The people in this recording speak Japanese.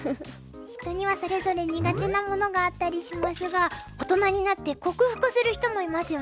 人にはそれぞれ苦手なものがあったりしますが大人になって克服する人もいますよね。